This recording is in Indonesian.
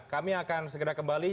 kami akan segera kembali